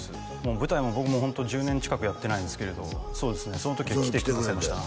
舞台も僕もうホント１０年近くやってないんですけれどそうですねその時は来てくださいました